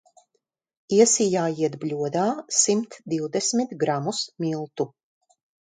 Iesijājiet bļodā simt divdesmit gramus miltu.